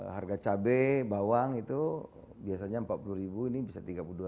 harga cabai bawang itu biasanya rp empat puluh ini bisa rp tiga puluh dua